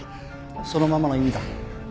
そのままの意味だ。